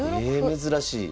え珍しい。